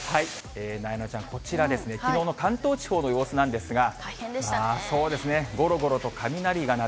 なえなのちゃん、こちらですね、きのうの関東地方の様子なんですが。